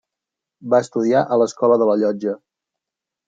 Va estudiar a l'Escola de la Llotja.